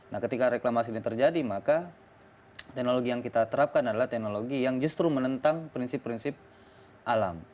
nah ketika reklamasi ini terjadi maka teknologi yang kita terapkan adalah teknologi yang justru menentang prinsip prinsip alam